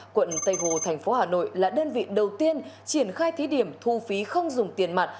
quận tây hồ thành phố hà nội là đơn vị đầu tiên triển khai thí điểm thu phí không dùng tiền mặt